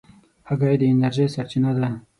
هګۍ د انرژۍ سرچینه ده.